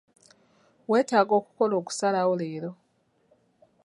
Weetaaga okukola okusalawo leero.